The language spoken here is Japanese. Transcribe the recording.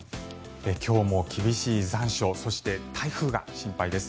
今日も厳しい残暑そして台風が心配です。